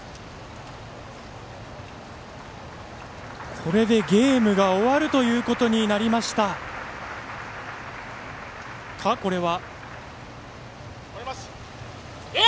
これでゲームが終わるということになりますか、これは。